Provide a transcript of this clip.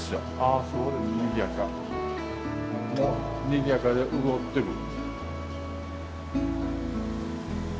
にぎやかで潤ってる。